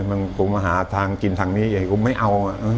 มันก็มาหาทางกินทางนี้อย่างนี้ก็ไม่เอาอะ